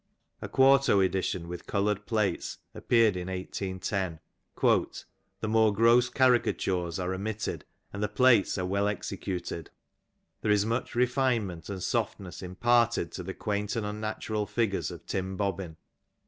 A quarto edition with coloured plates appeared in 1810. '* The more gross caricatures are " omitted, and the plates are well executed. There is much refine '^ ment and softness imparted to the quaint and unnatural figures of " Tim Bobbin.